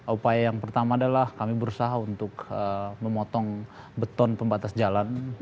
upaya yang pertama adalah kami berusaha untuk memotong beton pembatas jalan